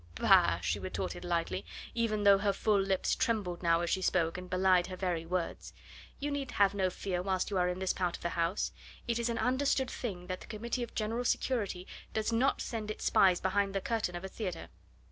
"Bah!" she retorted lightly, even though her full lips trembled now as she spoke and belied her very words. "You need have no fear whilst you are in this part of the house. It is an understood thing that the Committee of General Security does not send its spies behind the curtain of a theatre.